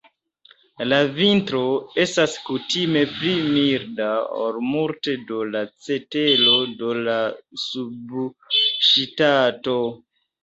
La vintro estas kutime pli milda ol multe de la cetero de la subŝtato.